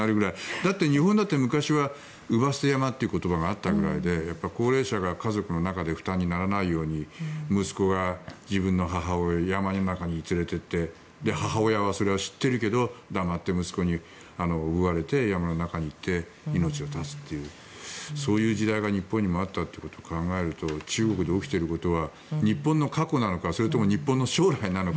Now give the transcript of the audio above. だって日本だって昔は姥捨て山という言葉があったくらいで高齢者が家族の中で負担にならないように息子が自分の母親を山の中に連れていって母親はそれを知っているけど黙って息子におぶわれて山の中に行って命を絶つというそういう時代が日本にもあったということを考えると中国で起きていることは日本の過去なのかそれとも日本の将来なのか。